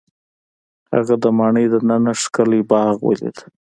هغه د ماڼۍ دننه ښکلی باغ ولید.